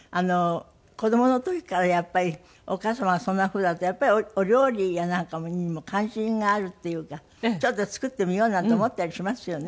子供の時からやっぱりお母様がそんなふうだとお料理やなんかにも関心があるっていうかちょっと作ってみようなんて思ったりしますよね。